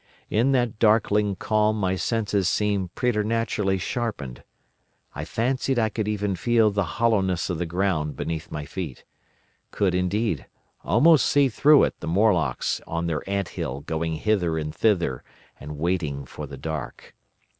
In that darkling calm my senses seemed preternaturally sharpened. I fancied I could even feel the hollowness of the ground beneath my feet: could, indeed, almost see through it the Morlocks on their ant hill going hither and thither and waiting for the dark.